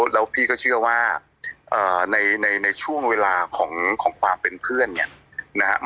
แล้วพี่ก็เชื่อว่าในช่วงเวลาของความเป็นเพื่อน